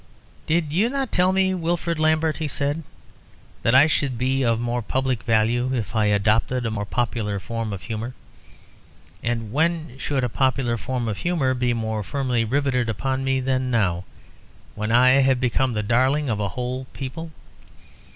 "Did you not tell me, Wilfrid Lambert," he said, "that I should be of more public value if I adopted a more popular form of humour? And when should a popular form of humour be more firmly riveted upon me than now, when I have become the darling of a whole people?